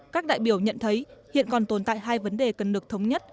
các đại biểu nhận thấy hiện còn tồn tại hai vấn đề cần được thống nhất